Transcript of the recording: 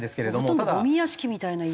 ほとんどゴミ屋敷みたいな家。